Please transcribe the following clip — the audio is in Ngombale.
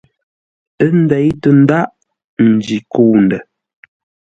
Ə́ ndéi tə ndáʼ, njî kə̂u ndə̂.